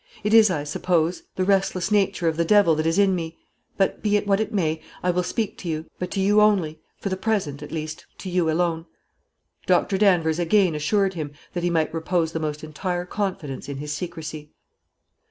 It is, I suppose, the restless nature of the devil that is in me; but, be it what it may, I will speak to you, but to you only, for the present, at least, to you alone." Doctor Danvers again assured him that he might repose the most entire confidence in his secrecy.